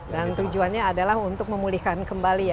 dan tujuannya adalah untuk memulihkan kembali ya